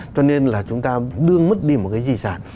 cho nên là chúng ta đương mất đi một cái di sản